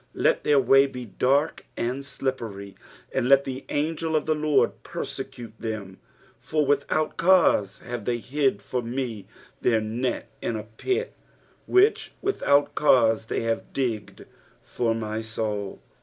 6 Let their way be dark and slippery ; and let the angel of the Lord persecute them. 7 For without cause have they hid for me their net in a pit, which without cause they have digged for my soul.